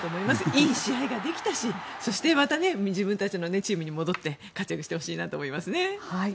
いい試合ができたしそしてまた自分たちのチームに戻って活躍してほしいなと思いますね。